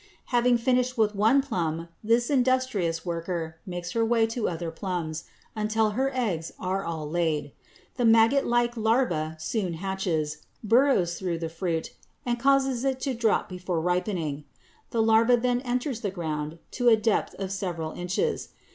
Having finished with one plum, this industrious worker makes her way to other plums until her eggs are all laid. The maggotlike larva soon hatches, burrows through the fruit, and causes it to drop before ripening. The larva then enters the ground to a depth of several inches.